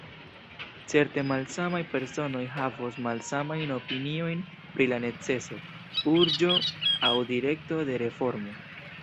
Certe malsamaj personoj havos malsamajn opiniojn pri la neceso, urĝo aŭ direkto de reformo.